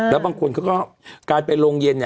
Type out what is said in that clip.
แล้วบางคนก็กลายเป็นโรงเย็น